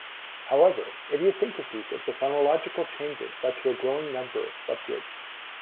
However, idiosyncrasies of the phonological changes led to a growing number of subgroups.